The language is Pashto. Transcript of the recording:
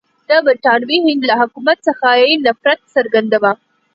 د برټانوي هند له حکومت څخه یې نفرت څرګندوه.